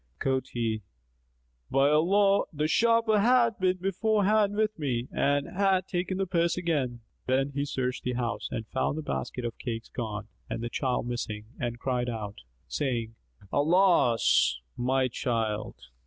Quoth he, "By Allah the sharper hath been beforehand with me and hath taken the purse again!" Then he searched the house and found the basket of cakes gone and the child missing and cried out, saying, "Alas, my child!"